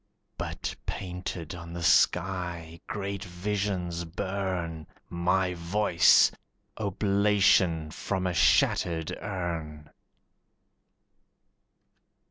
But painted on the sky great visions burn, My voice, oblation from a shattered urn!